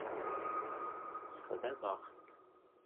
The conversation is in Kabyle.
Sexdameɣ-t.